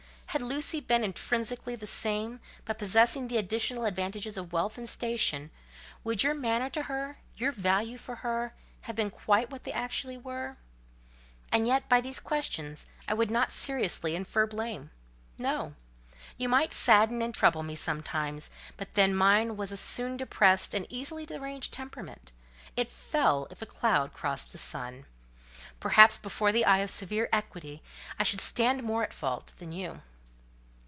Had Lucy been intrinsically the same but possessing the additional advantages of wealth and station, would your manner to her, your value for her, have been quite what they actually were? And yet by these questions I would not seriously infer blame. No; you might sadden and trouble me sometimes; but then mine was a soon depressed, an easily deranged temperament—it fell if a cloud crossed the sun. Perhaps before the eye of severe equity I should stand more at fault than you.